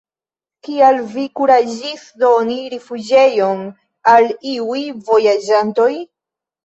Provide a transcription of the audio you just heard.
Kial vi kuraĝis doni rifuĝejon al iuj vojaĝantoj?